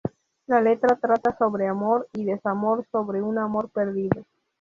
La letra trata sobre amor y desamor, sobre un amor perdido.